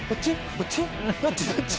こっち？